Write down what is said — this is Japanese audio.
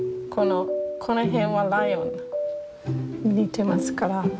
この辺はライオンに似てますから。